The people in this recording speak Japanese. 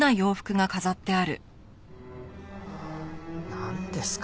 なんですか？